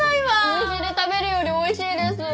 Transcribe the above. お店で食べるよりおいしいです。